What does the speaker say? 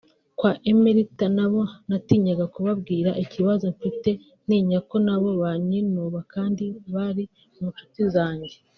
kwa Emeritha naho natinyaga kubabwira ikibazo mfite ntinya ko nabo banyinuba kandi bari mu nshuti zanjye